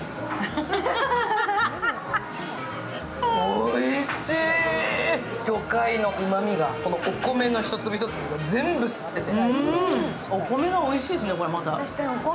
おいしい、魚介のうまみがこのお米の一粒一粒が全部吸ってて。